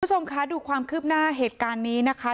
คุณผู้ชมคะดูความคืบหน้าเหตุการณ์นี้นะคะ